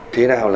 thế nào là